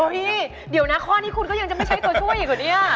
พี่เดี๋ยวนะข้อนี้คุณก็ยังจะไม่ใช่ตัวช่วยอีกเหรอเนี่ย